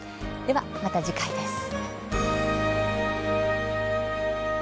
では、また次回です。